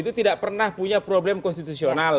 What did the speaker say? itu tidak pernah punya problem konstitusional